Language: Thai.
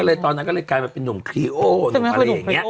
ตอนนั้นก็เลยกลายมาเป็นนุ่มคลีโอหนุ่มอะไรอย่างนี้